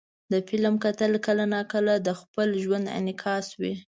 د فلم کتل کله ناکله د خپل ژوند انعکاس وي.